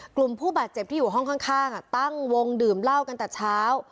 กลุ่มผู้บาดเจ็บที่อยู่ห้องข้างตั้งวงดื่มเหล้ากันแต่เช้า